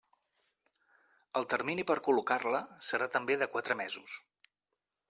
El termini per col·locar-la serà també de quatre mesos.